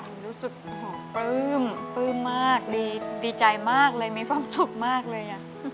รู้สึกหอมปลื้มปลื้มมากดีใจมากเลยมีความสุขมากเลย